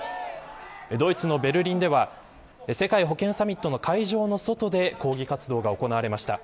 ドイツのベルリンでは世界保健サミットの会場の外で抗議活動が行われました。